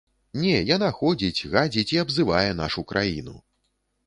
Не, яна ходзіць, гадзіць і абзывае нашу краіну.